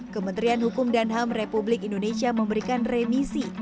kementerian hukum dan ham republik indonesia memberikan remisi